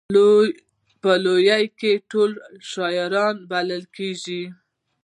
په لویه کې ټول اشاعره بلل کېږي.